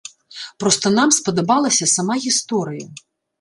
Проста нам спадабалася сама гісторыя.